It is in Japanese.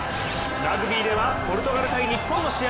ラグビーではポルトガル×日本の試合。